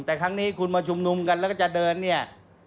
แต่ครั้งนี้คุณมาชุมนุมกันแล้วก็จะเดินเนี่ย